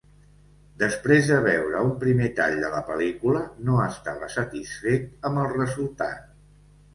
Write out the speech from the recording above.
Després de veure un primer tall de la pel·lícula, no estava satisfet amb el resultat.